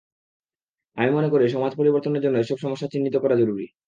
আমি মনে করি, সমাজ পরিবর্তনের জন্য এসব সমস্যা চিহ্নিত করা জরুরি।